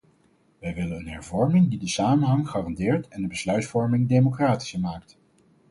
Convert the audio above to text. Wij willen een hervorming die de samenhang garandeert en de besluitvorming democratischer maakt.